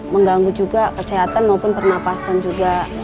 mengganggu juga kesehatan maupun pernafasan juga